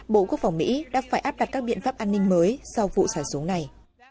bộ quốc phòng mỹ đã phải áp đặt các biện pháp an ninh mới sau vụ xả súng này